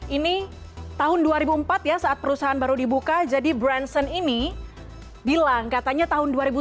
ini tahun dua ribu empat ya saat perusahaan baru dibuka jadi branson ini bilang katanya tahun dua ribu tujuh belas